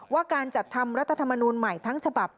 ว่าการจัดทำรัฐธรรมนูลใหม่ทั้งฉบับ